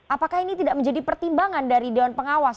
apakah ini tidak menjadi pertimbangan dari dewan pengawas